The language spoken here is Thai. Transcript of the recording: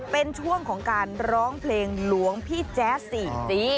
เป็นช่วงของการร้องเพลงหลวงพี่แจ๊สสี่จี